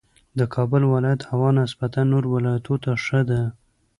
د کابل ولایت هوا نسبت نورو ولایتونو ته ښه ده